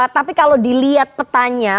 tapi kalau dilihat petanya